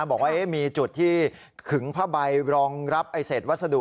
บอกว่ามีจุดที่ขึงผ้าใบรองรับเศษวัสดุ